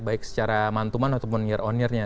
baik secara mantuman ataupun year on yearnya